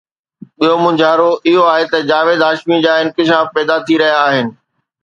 ٻيو مونجهارو اهو آهي ته جاويد هاشمي جا انڪشاف پيدا ٿي رهيا آهن.